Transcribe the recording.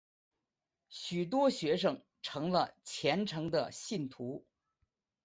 许多学生成了虔诚的信徒。